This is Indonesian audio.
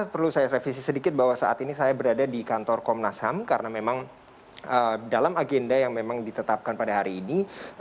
perlu saya revisi sedikit bahwa saat ini saya berada di kantor komnas ham karena memang dalam agenda yang memang ditetapkan pada hari ini